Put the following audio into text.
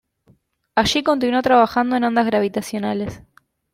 Allí continuó trabajando en ondas gravitacionales.